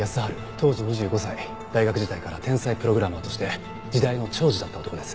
大学時代から天才プログラマーとして時代の寵児だった男です。